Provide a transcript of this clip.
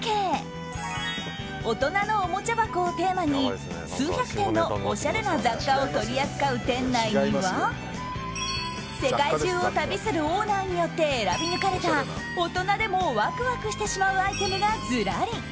大人のおもちゃ箱をテーマに数百点のおしゃれな雑貨を取り扱う店内には世界中を旅するオーナーによって選び抜かれた大人でもワクワクしてしまうアイテムがずらり。